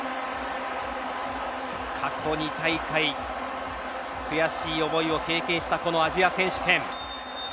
過去２大会悔しい思いを経験したこのアジア選手権。